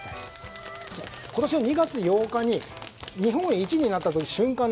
今年の２月８日に日本一になった瞬間